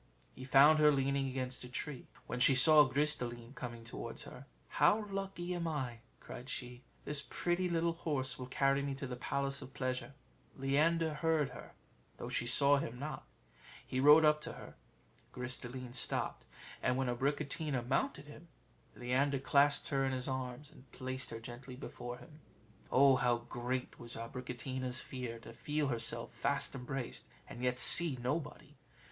He found her leaning against a tree. When she saw Gris de line coming towards her, "How lucky am I!" cried she; "this pretty little horse will carry me to the Palace of Pleasure." Leander heard her, though she saw him not: he rode up to her; Gris de line stopped, and when Abricotina mounted him, Leander clasped her in his arms, and placed her gently before him. Oh, how great was Abricotina's fear to feel herself fast embraced, and yet see nobody!